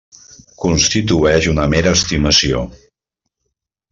Constitueix una mera estimació.